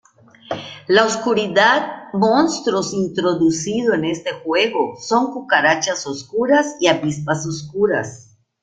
La oscuridad monstruos introducido en este juego son cucarachas oscuras y avispas oscuras.